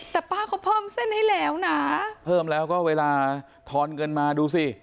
แต่ป้าเขาเพิ่มเส้นให้แล้วนะเพิ่มแล้วก็เวลาทอนเงินมาดูสิ